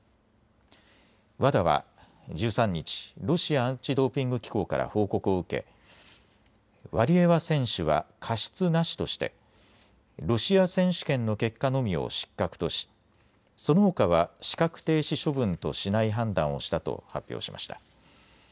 ＷＡＤＡは１３日、ロシアアンチドーピング機構から報告を受けワリエワ選手は過失なしとしてロシア選手権の結果のみを失格とし、そのほかは資格停止処分としない判断をしたと発表しました。